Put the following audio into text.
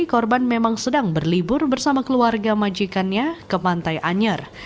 korban memang sedang berlibur bersama keluarga majikannya ke pantai anyer